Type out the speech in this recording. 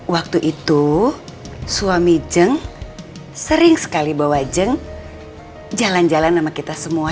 waktu itu suami jeng sering sekali bawa jeng jalan jalan sama kita semua